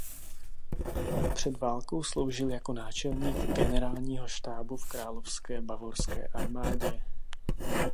Před válkou sloužil jako náčelník generálního štábu v královské bavorské armádě.